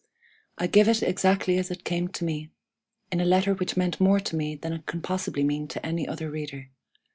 I give it exactly as it came to me, in a letter which meant more to me than it can possibly mean to any other reader.